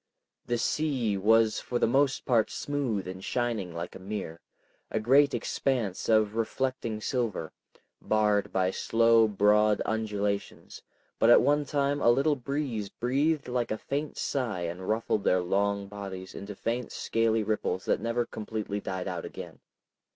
The sea was for the most part smooth and shining like a mirror, a great expanse of reflecting silver, barred by slow broad undulations, but at one time a little breeze breathed like a faint sigh and ruffled their long bodies into faint scaly ripples that never completely died out again.